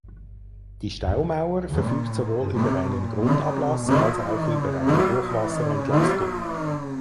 Die Staumauer verfügt sowohl über einen Grundablass als auch über eine Hochwasserentlastung.